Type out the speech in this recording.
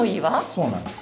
そうなんです。